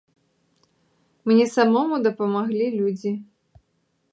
Мне самому дапамаглі людзі.